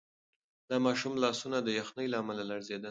د ماشوم لاسونه د یخنۍ له امله لړزېدل.